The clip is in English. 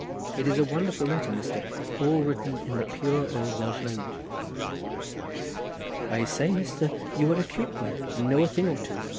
It is a wonderful letter, Mr., all written in the pure old Welsh language." "I say, Mr., you are a cute one, and know a thing or two.